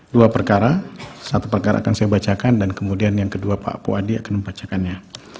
dua perkara satu perkara akan saya bacakan dan kemudian yang kedua pak puadi akan membacakannya